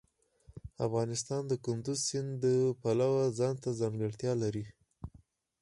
افغانستان د کندز سیند د پلوه ځانته ځانګړتیا لري.